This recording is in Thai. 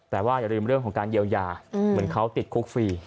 แต่ว่าอย่าลืมเรื่องของการเยียวยาเหมือนเขาติดคุกฟรี